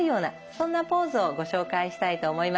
そんなポーズをご紹介したいと思います。